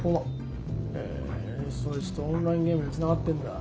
へえそいつとオンラインゲームでつながってんだ。